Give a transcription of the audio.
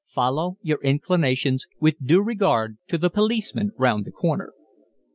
"Follow your inclinations with due regard to the policeman round the corner."